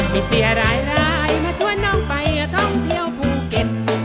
มีเสียหลายมาชวนน้องไปท่องเที่ยวภูเก็ต